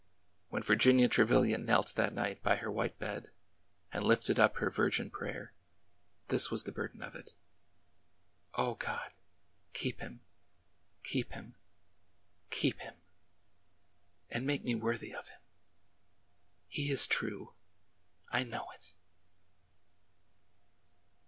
When Virginia Trevilian knelt that night by her white bed and lifted up her virgin prayer, this was the burden of it : O God! keep him — keep him — keep him! ... and make me worthy of him !... He is true ! I know it